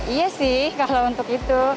iya sih kalau untuk itu